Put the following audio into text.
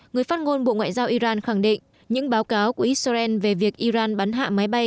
người phát ngôn bộ ngoại giao iran khẳng định những báo cáo của israel về việc iran bắn hạ máy bay